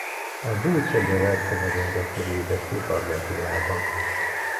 A Dulce de leche nagyon gyakori édesség Argentínában.